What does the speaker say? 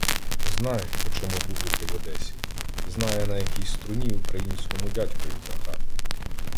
Знає, почому бублики в Одесі, знає, на якій струні українському дядькові заграти.